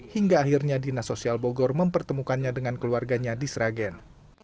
hingga akhirnya dina sosial bogor mempertemukannya dengan keluarganya di sragen